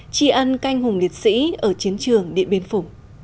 tri ân canh hùng liệt sĩ ở chiến trường điện biên phủ